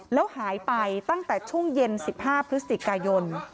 แล้วหายไปตั้งแต่ช่วงเย็น๑๕พฤศจิกายน